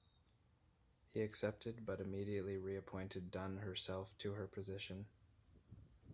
He accepted but immediately reappointed Dunn herself to her position.